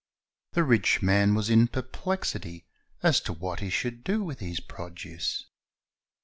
The rich man was in perplexity as to what he should do with his produce.